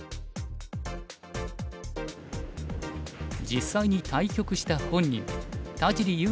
実際に対局した本人田尻悠